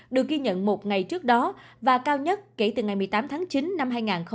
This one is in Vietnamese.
được ghi nhận một ngày trước đó và cao nhất kể từ ngày một mươi tám tháng chín năm hai nghìn hai mươi